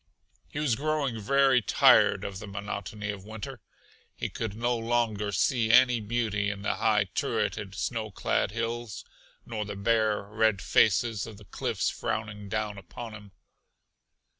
He was growing very tired of the monotony of winter; he could no longer see any beauty in the high turreted, snow clad hills, nor the bare, red faces of the cliffs frowning down upon him.